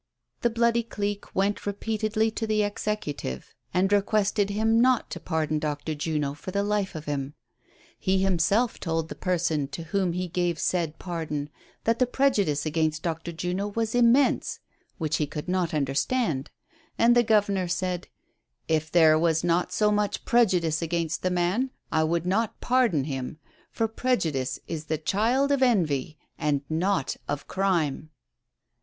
The bloody clique went repeatedly to the Executive and 140 THE SOCIAL AVAR OF 1900; OR, requested liim not to pardon Dr. Juno for the life of him. lie himself t(5ld the person to whom he gave said pardon, that the prejudice against Dr. Juno Avas immense, which he could not understand, and the Governor said :" If there was not so much prejudice against the man, I would not pardon him, for prejudice is the child of euA y, and not of crime."